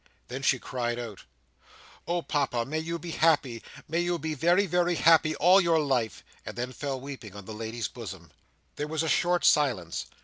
Then she cried out, "Oh, Papa, may you be happy! may you be very, very happy all your life!" and then fell weeping on the lady's bosom. There was a short silence.